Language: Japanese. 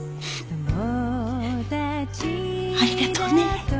ありがとうね。